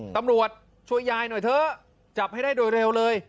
ตำรวจช่วยยายหน่อยเถอะจับให้ได้โดยเร็วเลย